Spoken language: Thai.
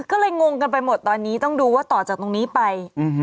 ก็เลยงงกันไปหมดตอนนี้ต้องดูว่าต่อจากตรงนี้ไป